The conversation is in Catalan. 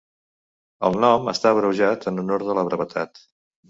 El nom està abreujat en honor de la brevetat.